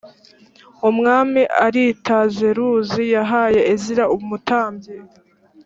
umwami aritazeruzi yahaye ezira umutambyi